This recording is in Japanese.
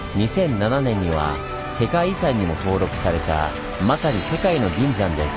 ２００７年には世界遺産にも登録されたまさに「世界」の銀山です。